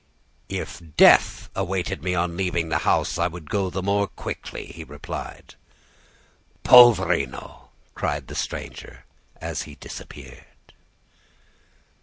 "'If death awaited me on leaving the house, I would go the more quickly,' he replied. "'Poverino!' cried the stranger, as he disappeared.